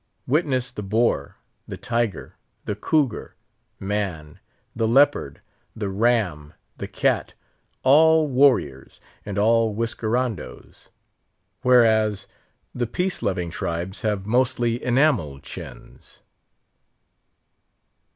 Witness the boar, the tiger, the cougar, man, the leopard, the ram, the cat—all warriors, and all whiskerandoes. Whereas, the peace loving tribes have mostly enameled chins.